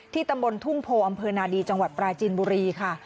ตำบลทุ่งโพอำเภอนาดีจังหวัดปราจีนบุรีค่ะ